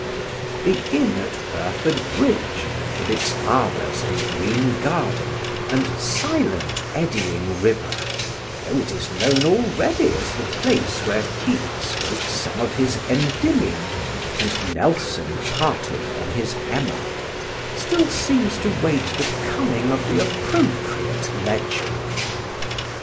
" The inn at Burford Bridge, with its arbours and green garden and silent, eddying river though it is known already as the place where Keats wrote some of his Endymion and Nelson parted from his Emma still seems to wait the coming of the appropriate legend.